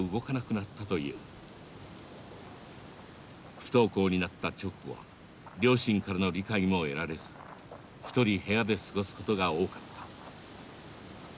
不登校になった直後は両親からの理解も得られず一人部屋で過ごすことが多かった。